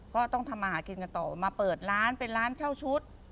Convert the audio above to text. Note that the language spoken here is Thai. ก็ต้องทำมาหากินกันต่อมาเปิดร้านเป็นร้านเช่าชุด